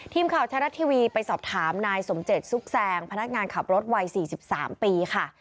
ทีมข่าวไทยรัฐทีวีไปสอบถามนายสมเจ็ดซุกแซงพนักงานขับรถวัย๔๓ปีค่ะ